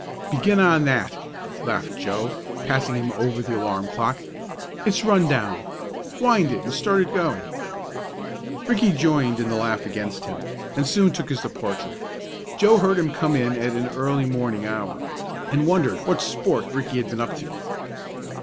"Begin on that," laughed Joe passing him over the alarm clock. "It's run down. Wind it and start it going!" Ricky joined in the laugh against him, and soon took his departure. Joe heard him come in at an early morning hour, and wondered what "sport" Ricky had been up to.